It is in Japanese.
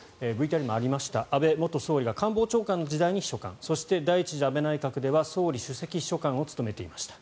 ＶＴＲにもありました安倍元総理が官房長官の時代に秘書官そして第１次安倍政権では総理首席秘書官を務めていました。